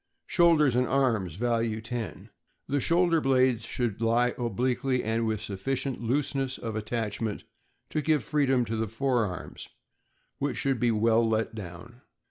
Shoulders and arms (value 10). — The shoulder blades should lie obliquely and with sufficient looseness of attach ment to give freedom to the fore arms, which should be well let down.